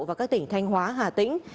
và các tỉnh thanh hóa hà tĩnh